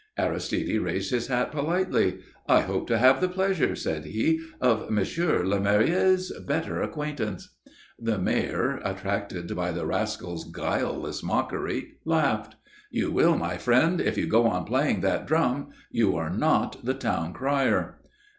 Aristide raised his hat politely. "I hope to have the pleasure," said he, "of Monsieur le Maire's better acquaintance." The Mayor, attracted by the rascal's guileless mockery, laughed. "You will, my friend, if you go on playing that drum. You are not the Town Crier."